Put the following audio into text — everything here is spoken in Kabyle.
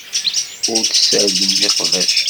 Ur tessardemt iqbac.